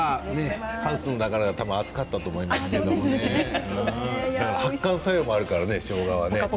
ハウスの中は暑かったと思いますけど発汗作用もあるからしょうがはね